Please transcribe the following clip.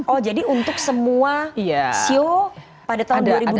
oh jadi untuk semua show pada tahun dua ribu dua puluh